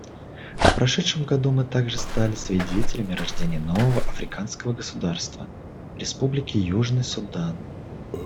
В прошедшем году мы также стали свидетелями рождения нового африканского государства — Республики Южный Судан.